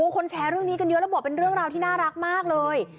คนแชร์เรื่องนี้กันเยอะแล้วบอกเป็นเรื่องราวที่น่ารักมากเลย